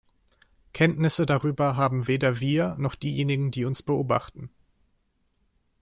Kenntnisse darüber haben weder wir noch diejenigen, die uns beobachten.